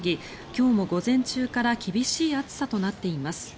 今日も午前中から厳しい暑さとなっています。